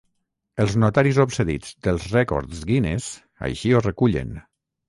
Els notaris obsedits dels Rècords Guinness així ho recullen.